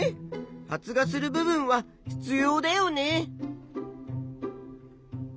発芽する部分は必要だよね。